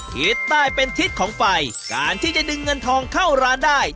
ทิศใต้เป็นทิศของไฟการที่จะดึงเงินทองเข้าร้านได้